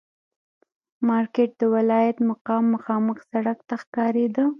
مارکېټ د ولایت مقام مخامخ سړک ته ښکارېده.